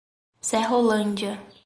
Serrolândia